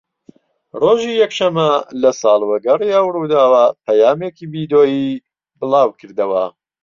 ڕۆژی یەکشەمە لە ساڵوەگەڕی ئەو ڕووداوە پەیامێکی ڤیدۆیی بڵاوکردەوە